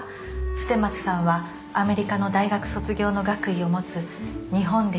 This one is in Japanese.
捨松さんはアメリカの大学卒業の学位を持つ日本で唯一の女性だから。